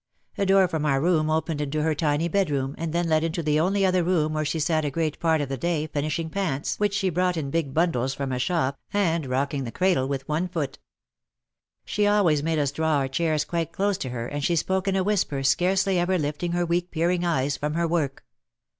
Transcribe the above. A door from our room opened into her tiny bedroom and then led into the only other room where she sat a great part of the day finishing pants which she brought in big bundles from a shop, and rocking the cradle with one foot. She always made us draw our chairs quite close to her and she spoke in a whisper scarcely ever lifting her weak peering eyes from her work.